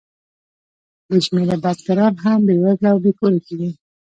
بې شمېره بزګران هم بېوزله او بې کوره کېږي